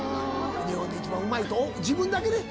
日本で一番うまいと自分だけで。